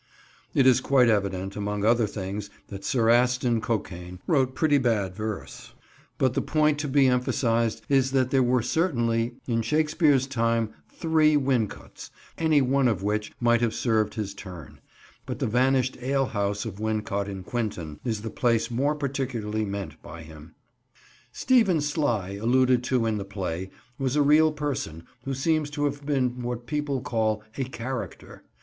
It is quite evident, among other things, that Sir Aston Cokain wrote pretty bad verse, but the point to be emphasised is that there were certainly in Shakespeare's time three "Wincots," any one of which might have served his turn. But the vanished ale house of Wincot in Quinton is the place more particularly meant by him. [Picture: Wootton Wawen Church] "Stephen Sly" alluded to in the play, was a real person who seems to have been what people call "a character."